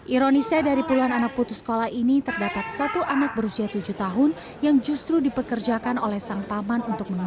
ironisnya dari puluhan anak putus sekolah ini terdapat satu anak berusia tujuh tahun yang justru dipekerjakan oleh sang paman untuk menampung